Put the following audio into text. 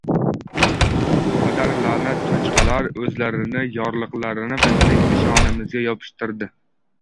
Padar la’nat cho‘chqalar o‘zlarini yorliqlarini bizning peshonamizga yopishtirdi.